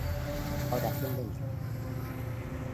Oración del Día